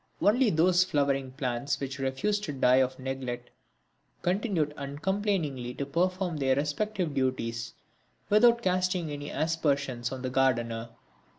Only those flowering plants which refused to die of neglect continued uncomplainingly to perform their respective duties without casting any aspersions on the gardener.